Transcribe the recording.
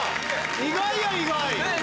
意外や意外。